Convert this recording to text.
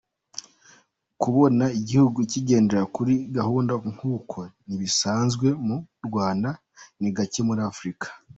Kubona igihugu kigendera kuri gahunda nk’uko nabisanze mu Rwanda ni gacye muri Afurika.